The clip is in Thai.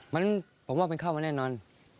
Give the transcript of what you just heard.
มันผมว่ามันเข้ามาแน่นอน